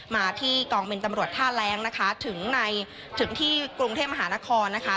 มาที่กองบินตำรวจท่าแรงนะคะถึงในถึงที่กรุงเทพมหานครนะคะ